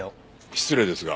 失礼ですが。